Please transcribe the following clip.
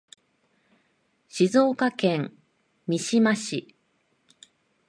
静岡県三島市